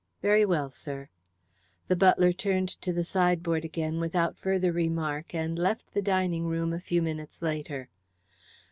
"Very well, sir." The butler turned to the sideboard again without further remark, and left the dining room a few minutes later.